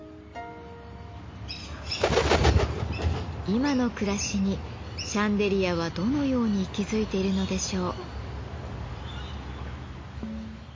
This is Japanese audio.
今の暮らしにシャンデリアはどのように息づいているのでしょう？